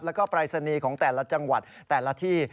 แล้วก็ปรายศนีย์ของแต่ละจังหวัดแต่ละที่